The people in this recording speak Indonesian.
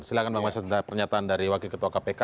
silahkan bang mas hinton pernyataan dari wakil ketua kpk